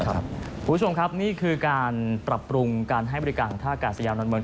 คุณผู้ชมครับนี่คือการปรับปรุงการให้บริการของท่ากาศยานดอนเมือง